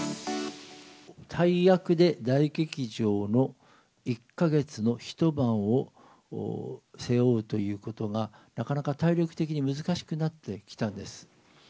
大役で大劇場の１か月の１晩を背負うということが、なかなか体力的に難しくなってきたんです。